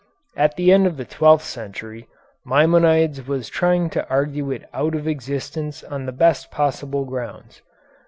At the end of the twelfth century Maimonides was trying to argue it out of existence on the best possible grounds.